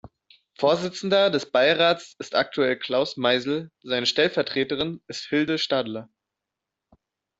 Vorsitzender des Beirats ist aktuell Klaus Meisel, seine Stellvertreterin ist Hilde Stadler.